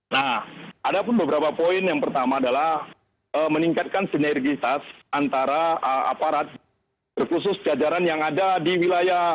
nah ada pun beberapa poin yang pertama adalah meningkatkan sinergitas antara aparat terkhusus jajaran yang ada di wilayah